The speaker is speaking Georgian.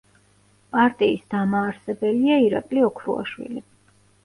პარტიის დამაარსებელია ირაკლი ოქრუაშვილი.